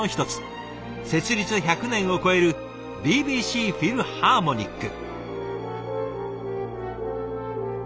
設立１００年を超えるＢＢＣフィルハーモニック。